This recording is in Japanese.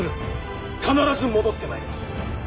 必ず戻ってまいります。